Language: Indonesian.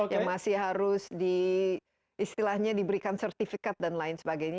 yang masih harus diistilahnya diberikan sertifikat dan lain sebagainya